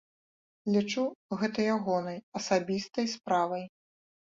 Лічу, гэта ягонай асабістай справай.